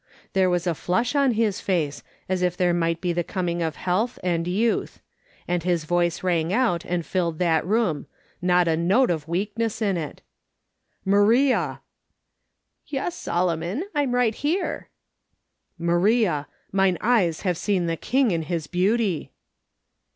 There was a flush on his face, as if there might be the coming of health and youth ; and his voice rang out and filled that room ; not a note of weakness in it. "Maria !" "Yes, Solomon, I'm right here." "Maria, mine eyes have seen the King in His beauty